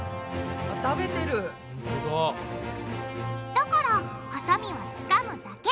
だからはさみはつかむだけ。